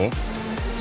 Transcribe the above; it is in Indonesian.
sampaikan ke teman teman